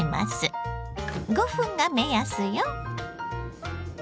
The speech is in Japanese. ５分が目安よ。